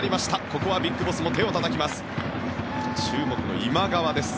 ここはＢＩＧＢＯＳＳも手をたたきます。